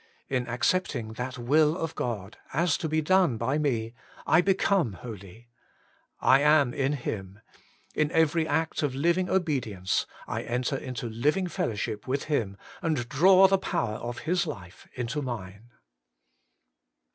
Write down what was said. In accepting that will of God, as to be done by me, I become holy. / am in Him ; In every act of living obedience, I enter into living fellowship with Him, and draw the power of His life into mine.